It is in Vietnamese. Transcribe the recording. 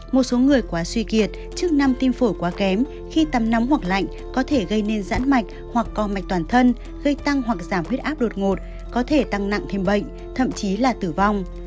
một số người quá suy kiệt chức năng tim phổi quá kém khi tắm nóng hoặc lạnh có thể gây nên giãn mạch hoặc co mạch toàn thân gây tăng hoặc giảm huyết áp đột ngột có thể tăng nặng thêm bệnh thậm chí là tử vong